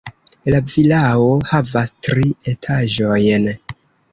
La vilao havas tri etaĝojn.